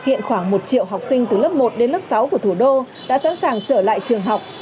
hiện khoảng một triệu học sinh từ lớp một đến lớp sáu của thủ đô đã sẵn sàng trở lại trường học